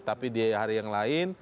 tapi biaya hari yang lain